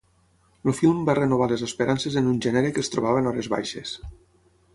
El film va renovar les esperances en un gènere que es trobava en hores baixes.